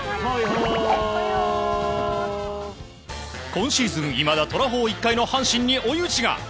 今シーズン、いまだとらほー１回の阪神に追い打ちが。